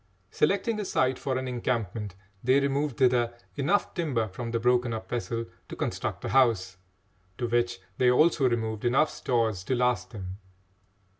Selecting a site for an encampment, they removed thither enough timber from the broken up vessel to construct a house, to which they also removed enough stores to last them.